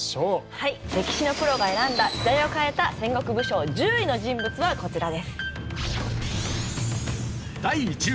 歴史のプロが選んだ時代を変えた戦国武将１０位の人物はこちらです。